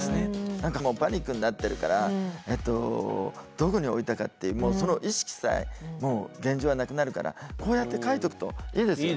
何かもうパニックになってるからどこに置いたかっていうその意識さえもう現状はなくなるからこうやって書いておくといいですよね。